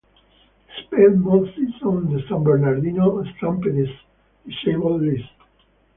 Spent most season on the San Bernardino Stampede's disabled list.